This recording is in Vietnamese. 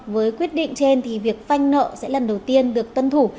với quyết định trên thì việc phanh nợ sẽ lần đầu tiên được tân thủ